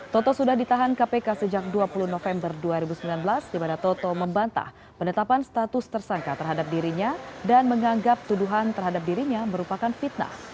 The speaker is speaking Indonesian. toto sudah ditahan kpk sejak dua puluh november dua ribu sembilan belas di mana toto membantah penetapan status tersangka terhadap dirinya dan menganggap tuduhan terhadap dirinya merupakan fitnah